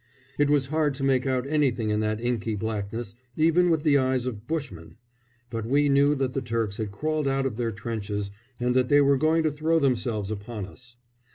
It was hard to make out anything in that inky blackness, even with the eyes of bushmen; but we knew that the Turks had crawled out of their trenches and that they were going to throw themselves upon us.